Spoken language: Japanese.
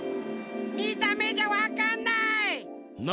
みためじゃわかんない。